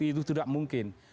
itu tidak mungkin